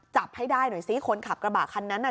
จับให้ได้หน่อยซิคนขับกระบะคันนั้นน่ะ